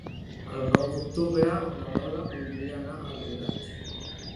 El nou d'octubre na Lola voldria anar a Alboraig.